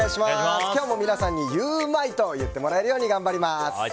今日も皆さんにゆウマいと言ってもらえるように頑張ります！